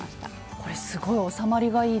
これすごい収まりがいいです。